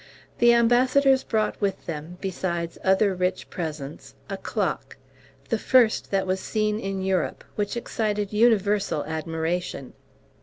The ambassadors brought with them, besides other rich presents, a clock, the first that was seen in Europe, which excited universal admiration.